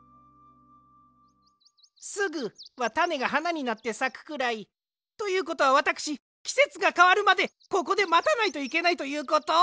「すぐ」はたねがはなになってさくくらい。ということはわたくしきせつがかわるまでここでまたないといけないということ？